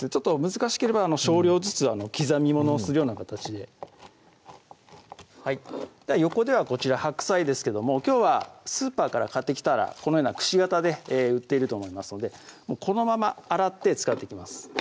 難しければ少量ずつ刻みものをするような形で横ではこちら白菜ですけどもきょうはスーパーから買ってきたらこのようなくし形で売っていると思いますのでこのまま洗って使っていきます